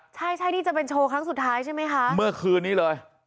ใช่ใช่นี่จะเป็นโชว์ครั้งสุดท้ายใช่ไหมคะเมื่อคืนนี้เลย